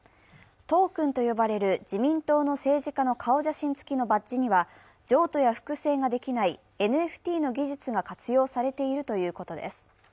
トークンと呼ばれる自民党の政治家の顔写真付きのバッジには譲渡や複製ができないＮＦＴの技術が活用されているということです。